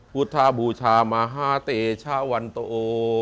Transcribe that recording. วุฒาบูชามหาเตชาวันโตโถ